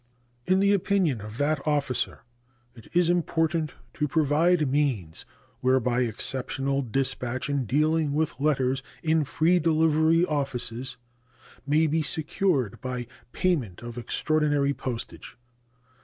In the opinion of that officer it is important to provide means whereby exceptional dispatch in dealing with letters in free delivery offices may be secured by payment of extraordinary postage.